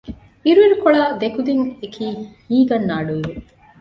އިރުއިރުކޮޅާ ދެކުދިން އެކީ ހީގަންނަ އަޑުއިވެ